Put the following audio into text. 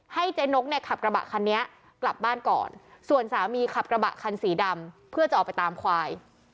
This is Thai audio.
เจ๊นกเนี่ยขับกระบะคันนี้กลับบ้านก่อนส่วนสามีขับกระบะคันสีดำเพื่อจะออกไปตามควาย